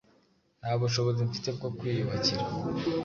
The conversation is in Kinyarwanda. nta bushobozi mfite bwo kwiyubakira,